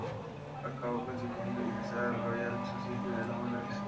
Acabó consiguiendo ingresar en la Royal Society de Londres.